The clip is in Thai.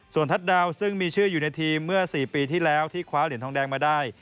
ส่วนทัศน์ดาวซึ่งมีชื่ออยู่ในทีมเมื่อ๔ปีที่แล้วที่คว้าเหรียญทองแดงมาได้